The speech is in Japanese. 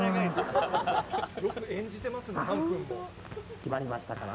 決まりましたかな？